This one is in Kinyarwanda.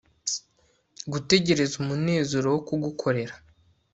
Gutegereza umunezero wo kugukorera